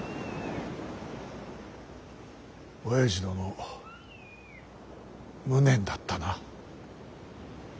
おやじ殿無念だったな。